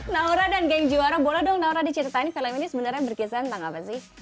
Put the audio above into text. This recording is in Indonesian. naura dan geng juara boleh dong naura diceritain film ini sebenarnya berkisah tentang apa sih